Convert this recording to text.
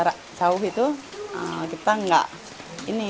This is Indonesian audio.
kalau kita mencari tuhan kan harus mencari tuhan